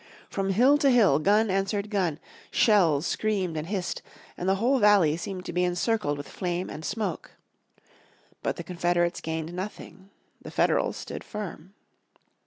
From hill to hill gun answered gun, shells screamed and hissed, and the whole valley seemed to be encircled with flame and smoke. But the Confederates gained nothing. The Federals stood firm.